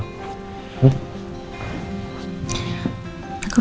ketemu sama oya